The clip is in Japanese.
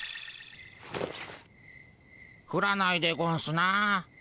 ふらないでゴンスな。